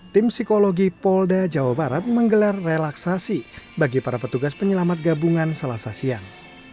tim psikologi polda jawa barat menggelar relaksasi bagi para petugas penyelamat gabungan selasa siang